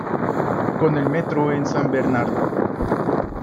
Con el Metro en San Bernardo.